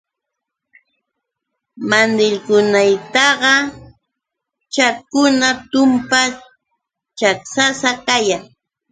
Mandilllaykunaqa chaykuna tumpa chaksasa kayan.